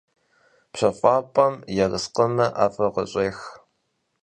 ПщэфӀапӀэм ерыскъымэ ӀэфӀыр къыщӀех…